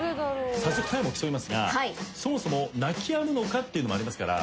早速タイムを競いますがそもそも泣きやむのかっていうのもありますから。